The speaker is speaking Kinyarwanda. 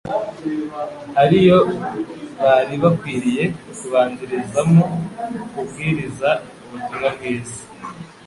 ariyo bari bakwiriye kubanzirizamo kubwiriza ubutumwa bwiza.